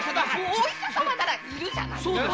お医者様ならいるじゃない！